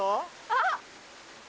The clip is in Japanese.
あっ！